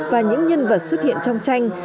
và những nhân vật xuất hiện trong tranh